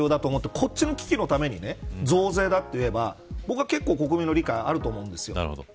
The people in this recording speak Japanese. こっちの危機のために増税といえば僕は結構国民の理解あると思うんです。